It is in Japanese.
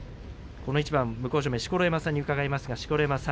この一番、向正面の錣山さんに伺います。